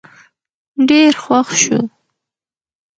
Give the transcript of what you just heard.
ډېر خوښ شو